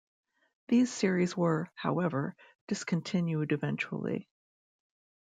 These series were, however, discontinued eventually.